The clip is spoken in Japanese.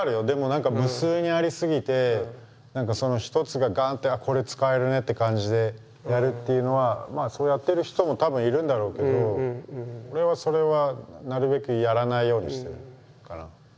でも何か無数にありすぎてその一つがガンってこれ使えるねって感じでやるっていうのはそうやってる人もたぶんいるんだろうけど俺はそれはなるべくやらないようにしてるから。